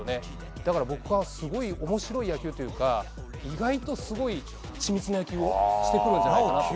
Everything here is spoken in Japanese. だから僕はすごい面白い野球というか意外とすごい緻密な野球をしてくるんじゃないかなと。